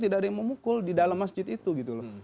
tidak ada yang memukul di dalam masjid itu gitu loh